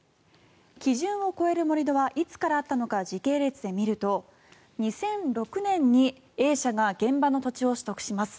基準を超える盛り土はいつからあったのか時系列で見ると、２００６年にＡ社が現場の土地を取得します。